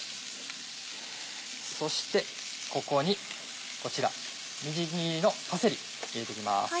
そしてここにこちらみじん切りのパセリ入れて行きます。